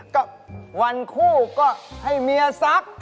ก็วันคู่ก็ให้เมียซัก